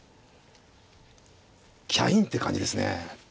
キャインって感じですね。